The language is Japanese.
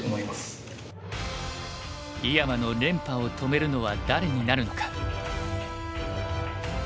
井山の連覇を止めるのは誰になるのか。